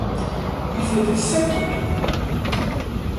Ils étaient sept en tout.